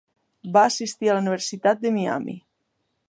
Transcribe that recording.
Va assistir a la Universitat de Miami.